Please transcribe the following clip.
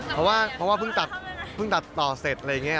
เพราะว่าเพิ่งตัดต่อเสร็จอะไรอย่างนี้